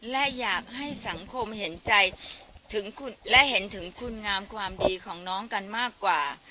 และอยากให้สังคมเห็นใจและเห็นถึงคุณงามความดีของน้องกันมากกว่า